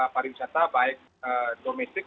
para wisata baik domestik